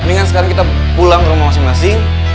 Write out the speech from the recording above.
mendingan sekarang kita pulang ke rumah masing masing